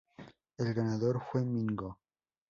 El ganador fue Mingo.